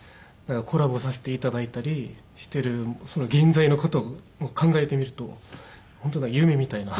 コラボさせていただいたりしてる現在の事を考えてみると本当夢みたいな。